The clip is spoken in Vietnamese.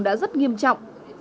đã rất nghiêm trọng